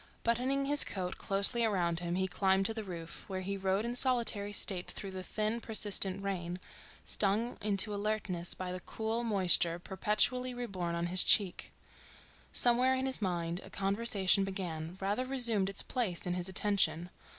Buttoning his coat closely around him he climbed to the roof, where he rode in solitary state through the thin, persistent rain, stung into alertness by the cool moisture perpetually reborn on his cheek. Somewhere in his mind a conversation began, rather resumed its place in his attention.